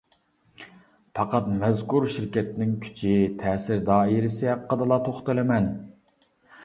پەقەت مەزكۇر شىركەتنىڭ كۈچى، تەسىر دائىرىسى ھەققىدىلا توختىلىمەن.